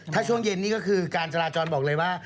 ถ้าช่วงเย็นนี่ก็คือการจราจรบอกเลยว่า